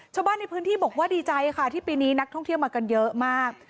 ชาวบ้านในพื้นที่บอกว่าดีใจค่ะที่ปีนี้นักท่องเที่ยวมากันเยอะมาก